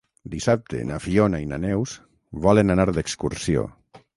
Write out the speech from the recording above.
Dissabte na Fiona i na Neus volen anar d'excursió.